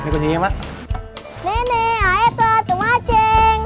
nenek ayo keluar tunggu aja